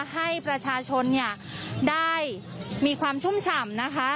ให้ประชาชนเนี่ยได้มีความชุ่มฉ่ำนะคะ